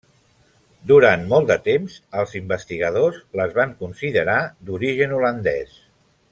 Durant molt de temps, els investigadors les van considerar d'origen holandès.